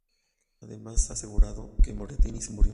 Además, ha asegurado que Moriarty sí murió.